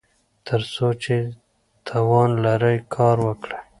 تر څو چې توان لرئ کار وکړئ.